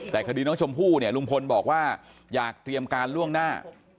แต่คดีน้องชมพู่เนี่ยลุงพลบอกว่าอยากเตรียมการล่วงหน้า